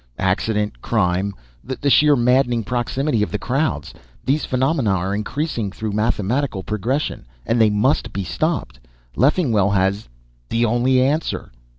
Accident, crime, the sheer maddening proximity of the crowds these phenomena are increasing through mathematical progression. And they must be stopped. Leffingwell has the only answer."